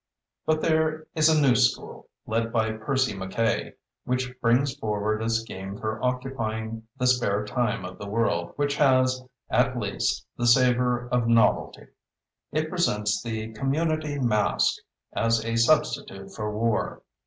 But there is a new school, led by Percy Mackaye, which brings forward a scheme for occupying the spare time of the world which has, at least, the savor of novelty. It presents the community masque as a substitute for war.